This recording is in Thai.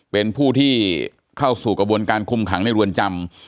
เป็นผู้ที่เข้าสู่กระบวนการคุมขังในเรือนจำ